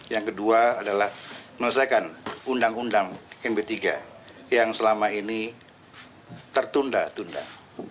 yang kedua adalah melesaikan undang undang md tiga yang selama ini tertunda tunda